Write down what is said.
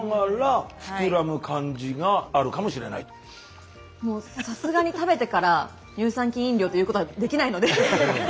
もうさすがに食べてから乳酸菌飲料と言うことはできないので。